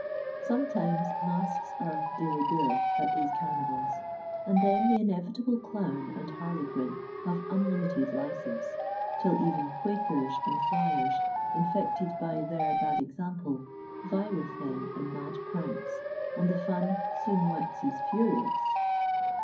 Sometimes masks are de rigueur at these carnivals, and then the inevitable clown and harlequin have unlimited license, till even Quakers and friars, infected by their bad example, vie with them in mad pranks, and the fun soon waxes furious.